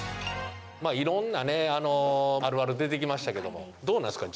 まあいろんなねあるある出てきましたけどもどうなんですか？